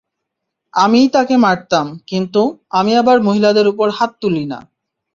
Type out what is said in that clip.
আমিই তাকে মারতাম, কিন্তু, আমি আবার মহিলাদের উপর হাত তুলি না।